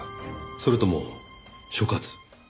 それとも所轄？